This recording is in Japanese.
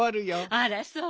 あらそう？